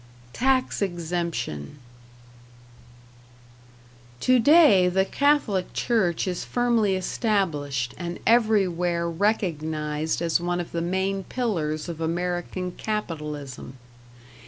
#Tax Exemption# Today the Catholic Church is firmly established and everywhere recognized as one of the main pillars of American capitalism.